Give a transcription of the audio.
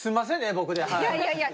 僕で。